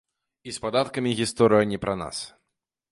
І з падаткамі гісторыя не пра нас.